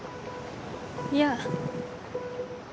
いや。